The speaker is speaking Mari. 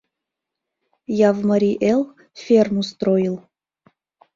Я в Марий Эл ферму строил.